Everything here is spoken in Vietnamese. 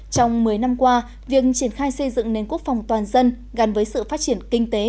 trong một mươi năm qua việc triển khai xây dựng nền quốc phòng toàn dân gắn với sự phát triển kinh tế